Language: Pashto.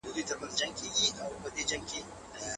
که ماسوم په خپله ژبه پوښتنې وکړي ناپوهي ولې نه پاته کيږي؟